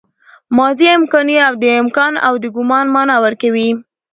ماضي امکاني د امکان او ګومان مانا ورکوي.